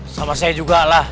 sama saya juga lah